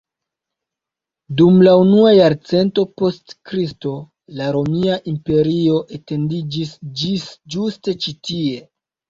Dum la unua jarcento post Kristo la romia imperio etendiĝis ĝis ĝuste ĉi tie.